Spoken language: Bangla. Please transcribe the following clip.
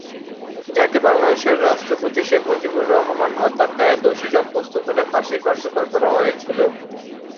যাকে বাংলাদেশের রাষ্ট্রপতি শেখ মুজিবুর রহমান হত্যার দায়ে দোষী সাব্যস্ত করে ফাঁসি কার্যকর করা হয়েছিল।